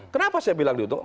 kenapa saya bilang diuntungkan